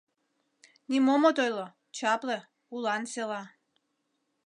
Нимом от ойло — чапле, улан села.